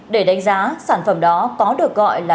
để đánh giá sản phẩm đó có được gọi là